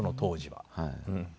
はい。